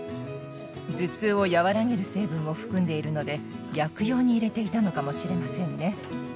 頭痛を和らげる成分を含んでいるので薬用に入れていたのかもしれませんね。